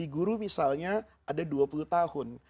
guru misalnya ada dua puluh tahun